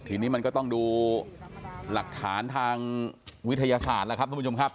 ทีนี้มันก็ต้องดูหลักฐานทางวิทยาศาสตร์นะครับ